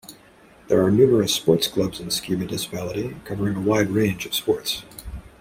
There are numerous sports clubs in Ski municipality, covering a wide range of sports.